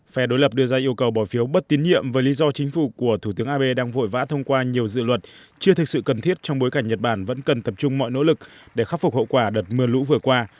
phe đối lập đưa ra yêu cầu bỏ phiếu bất tín nhiệm với lý do chính phủ của thủ tướng abe đang vội vã thông qua nhiều dự luật chưa thực sự cần thiết trong bối cảnh nhật bản vẫn cần tập trung mọi nỗ lực để khắc phục hậu quả đợt mưa lũ vừa qua